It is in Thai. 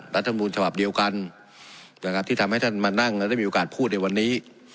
รัฐมนุนฉบับเดียวกันนะครับที่ทำให้ท่านมานั่งและได้มีโอกาสพูดในวันนี้